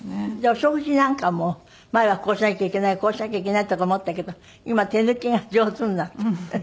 お食事なんかも前はこうしなきゃいけないこうしなきゃいけないとか思ったけど今手抜きが上手になった？